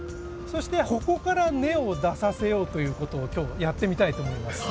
そしてここから根を出させようという事を今日やってみたいと思います。